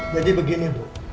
jadi begini ibu